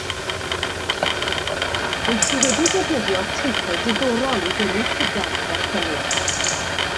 Rwyt ti wedi defnyddio teitl diddorol i ddenu llygad y darllenydd